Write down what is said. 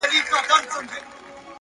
هوښیار انسان له فرصتونو ساتنه کوي.